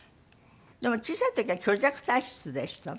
でも小さい時は虚弱体質でしたの？